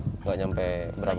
tidak sampai berapa